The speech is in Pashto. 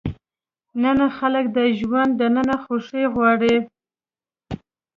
نن خلک د ژوند دننه خوښي غواړي.